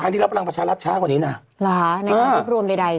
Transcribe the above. ทางที่รับพลังประชารัฐชาติกว่านี้น่ะหรอในความรวมใดใดใช่ไหม